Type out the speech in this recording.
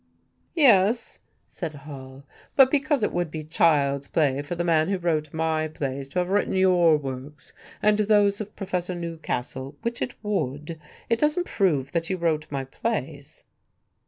"Yes," said Hall, "but because it would be child's play for the man who wrote my plays to have written your works and those of Professor Newcastle which it would it doesn't prove that you wrote my plays."